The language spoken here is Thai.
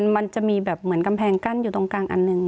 มันจะมีแบบเหมือนกำแพงกั้นอยู่ตรงกลางอันหนึ่ง